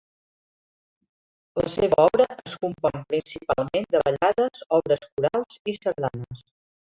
La seva obra es compon principalment de ballades, obres corals i sardanes.